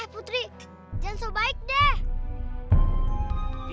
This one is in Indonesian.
eh putri jangan soal baik deh